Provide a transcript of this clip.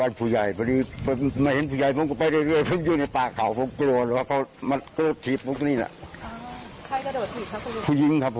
อันไหนเหล่ะมันก็นั่งมันเป็นวัตเขตผมโทษโทษด้วยครับ